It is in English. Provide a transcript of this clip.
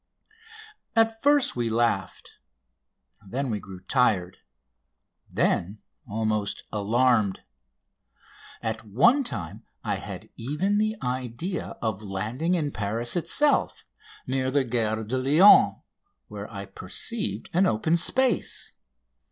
At first we laughed. Then we grew tired. Then almost alarmed. At one time I had even the idea of landing in Paris itself, near the Gare de Lyon, where I perceived an open space.